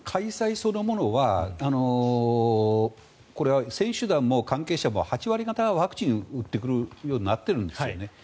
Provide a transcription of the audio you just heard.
そのものはこれは選手団も関係者も８割方ワクチンを打って、来るようになってるんですよね。